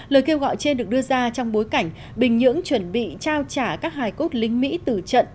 lời kêu gọi trên được đưa ra trong bối cảnh bình nhưỡng chuẩn bị trao trả các hai quốc lính mỹ tử trận